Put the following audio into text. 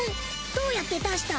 どうやって出した？